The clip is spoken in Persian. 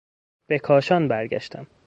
به کاشان برگشتم.